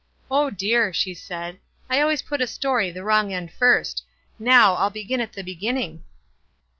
" Oh, dear !" she said, K I always put a story the wrong end first. Now, I'll begin at the be ginning."